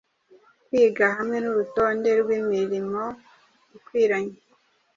kwiga hamwe nurutonde rwimirimo ikwiranye